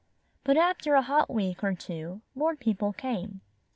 But after a hot week or two, more people came.